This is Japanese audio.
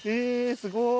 すごーい